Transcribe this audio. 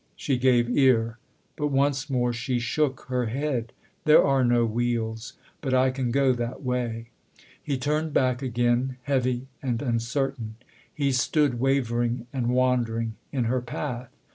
She gave ear; but once more she shook her head. "There are no wheels, buf I can go that way." He turned back again, heavy and uncertain ; he stood wavering and wondering in her path.